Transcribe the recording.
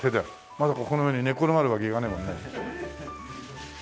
まさかこの上に寝っ転がるわけにはいかないもんね。